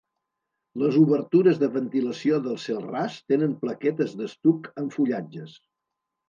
Les obertures de ventilació del cel ras tenen plaquetes d'estuc amb fullatges.